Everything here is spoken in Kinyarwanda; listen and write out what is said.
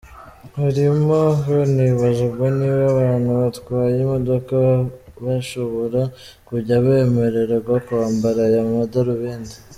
Harimo hanibazwa niba abantu batwaye imodoka bashobora kujya bemererwa kwambara ayo madarubindi.